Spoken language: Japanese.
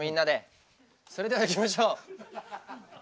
それではいきましょう。